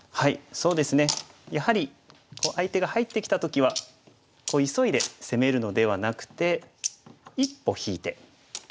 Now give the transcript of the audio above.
そうですねやはり相手が入ってきた時は急いで攻めるのではなくて一歩引いて。